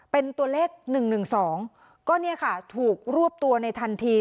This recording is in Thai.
เป็นตัวเลข๑๑๒ก็เนี่ยค่ะถูกรวบตัวในทันที